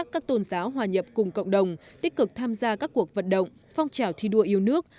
cùng cộng đồng tích cực tham gia các cuộc vận động phong trào thi đua yêu nước